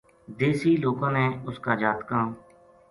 دیسی لوکاں نے اس کا جاتکاں